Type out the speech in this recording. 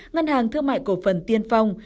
ngân hàng thương mại cộng phần tiên phong